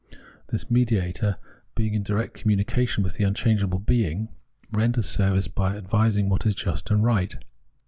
This mediator, being in direct communication with the unchangeable Being, renders service by advising what is just and right.